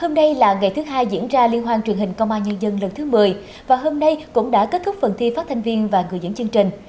hôm nay là ngày thứ hai diễn ra liên hoan truyền hình công an nhân dân lần thứ một mươi và hôm nay cũng đã kết thúc phần thi phát thanh viên và gửi dẫn chương trình